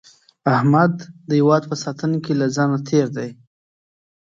احمد د هیواد په ساتنه کې له ځانه تېر دی.